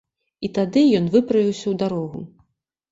І тады ён выправіўся ў дарогу.